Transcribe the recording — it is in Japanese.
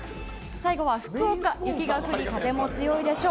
最後は福岡雪が降り、風も強いでしょう。